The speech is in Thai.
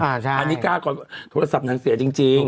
อันนี้กล้าก่อนว่าโทรศัพท์นางเสียจริง